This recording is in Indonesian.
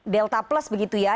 delta plus begitu ya